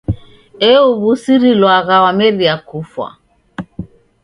Euw'usirilwagha wameria kufwa!